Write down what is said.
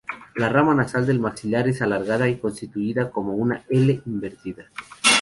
La rama nasal del maxilar es alargada y constituida como una "L" invertida.